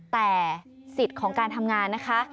แต่สิทธิ์ของการทำงานนะคะ